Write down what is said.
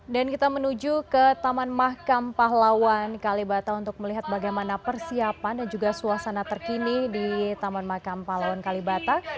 dan kita menuju ke taman mahkamah pahlawan kalibata untuk melihat bagaimana persiapan dan juga suasana terkini di taman mahkamah pahlawan kalibata